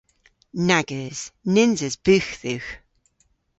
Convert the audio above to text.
Nag eus. Nyns eus bugh dhywgh.